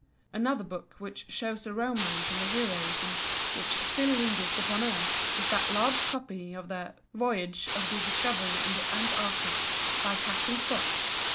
Another book which shows the romance and the heroism which still linger upon earth is that large copy of the "Voyage of the Discovery in the Antarctic" by Captain Scott.